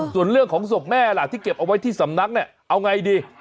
ส่วนเรื่องของศพแม่ล่ะที่เก็บเอาไว้ที่สำนักเนี่ยเอาไงดี